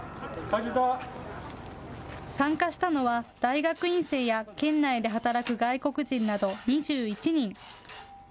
参加したのは大学院生や県内で働く外国人など２１人。